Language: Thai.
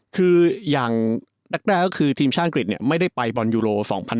คืออย่างแรกก็คือทีมชาติอังกฤษไม่ได้ไปบอลยูโร๒๐๑๖